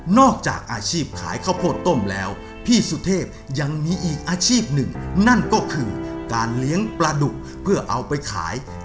จากอาชีพขายข้าวโพดต้มแล้วพี่สุเทพยังมีอีกอาชีพหนึ่งนั่นก็คือการเลี้ยงปลาดุกเพื่อเอาไปขาย